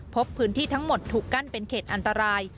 พบพื้นที่ทั้งหมดถูกกั้นเป็นเขตอันตราย